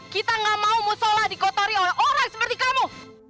kita nggak mau mu sholat dikotori oleh orang seperti kamu